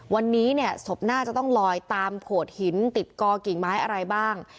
วันนี้เนี่ยศพน่าจะต้องลอยตามโขดหินติดกอกิ่งไม้อะไรบ้าง